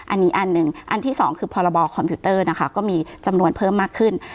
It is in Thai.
อันนี้อันหนึ่งอันที่สองคือพรบคอมพิวเตอร์นะคะก็มีจำนวนเพิ่มมากขึ้น